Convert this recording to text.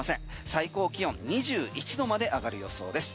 最高気温２１度まで上がる予想です。